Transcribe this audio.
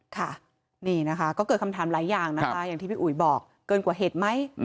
ค่ะนี่นะคะก็เกิดคำถามหลายอย่างนะคะอย่างที่พี่อุ๋ยบอกเกินกว่าเหตุไหม